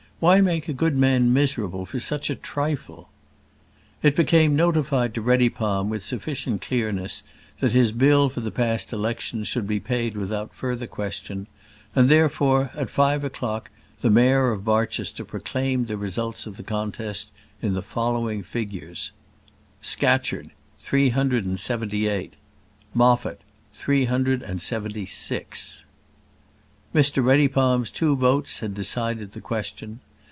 Why make a good man miserable for such a trifle? It became notified to Reddypalm with sufficient clearness that his bill for the past election should be paid without further question; and, therefore, at five o'clock the Mayor of Barchester proclaimed the results of the contest in the following figures: Scatcherd 378 Moffat 376 Mr Reddypalm's two votes had decided the question.